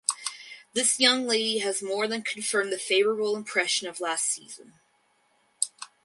This young lady has more than confirmed the favourable impression of last season.